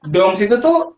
doms itu tuh